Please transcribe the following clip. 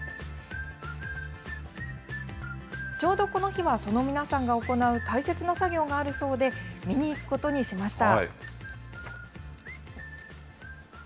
ちょうどこの日はその皆さんが行う大切な作業があるそうで、見に行くことにしました。